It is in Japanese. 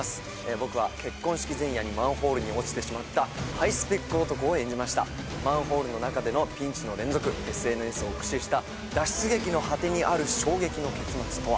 僕は結婚式前夜にマンホールに落ちてしまったハイスペック男を演じましたマンホールの中でのピンチの連続ＳＮＳを駆使した脱出劇の果てにある衝撃の結末とは？